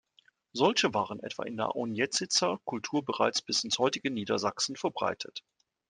Solche waren etwa in der Aunjetitzer Kultur bereits bis ins heutige Niedersachsen verbreitet.